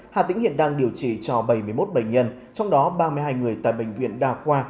hà tĩnh hiện đang điều trị cho bảy mươi một bệnh nhân trong đó ba mươi hai người tại bệnh viện đa khoa